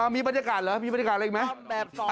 มีบรรยากาศเหรอมีบรรยากาศอะไรอีกไหม